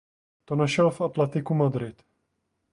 To našel v Atletiku Madrid.